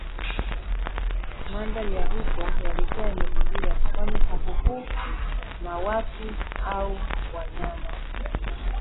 Mandhari ya huko yalikuwa yametulia kwani hakuku na watu au wanyama